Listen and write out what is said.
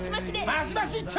マシマシ一丁！